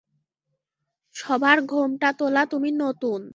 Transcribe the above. সবার ঘোমটা তোলো, তুমি নতুন?